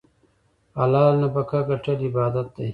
حلاله نفقه ګټل عبادت دی.